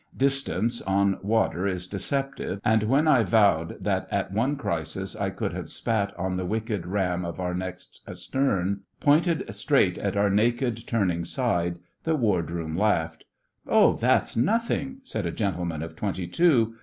Distance on water is deceptive, and when I vowed that at one crisis I could have spat on the wicked ram of our next astern, pointed straight at our naked turning side, the ward room laughed. 'Oh, that's nothing,' said a gentleman of twenty two.